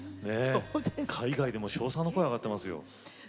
海外でも称賛の声が上がっています。